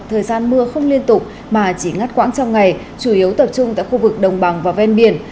thời gian mưa không liên tục mà chỉ ngắt quãng trong ngày chủ yếu tập trung tại khu vực đồng bằng và ven biển